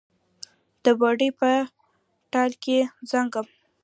د بوډۍ په ټال کې زانګم